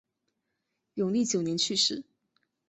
永历九年去世。